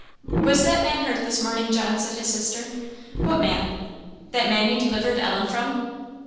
"Was that man hurt this morning, John?" said his sister. "What man?" "That man you delivered Ellen from."